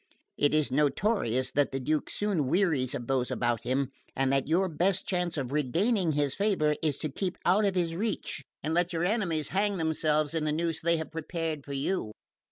It is notorious that the Duke soon wearies of those about him, and that your best chance of regaining his favour is to keep out of his reach and let your enemies hang themselves in the noose they have prepared for you.